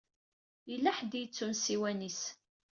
Yella ḥedd i yettun ssiwan-is.